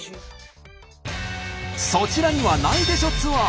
そちらにはないでしょツアー。